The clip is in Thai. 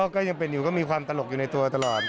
ก็ยังเป็นอยู่ก็มีความตลกอยู่ในตัวตลอด